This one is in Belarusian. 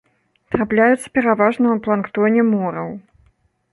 Трапляюцца пераважна ў планктоне мораў.